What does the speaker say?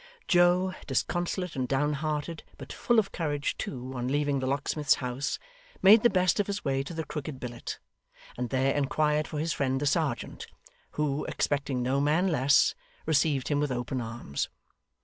Joe, disconsolate and down hearted, but full of courage too, on leaving the locksmith's house made the best of his way to the Crooked Billet, and there inquired for his friend the serjeant, who, expecting no man less, received him with open arms.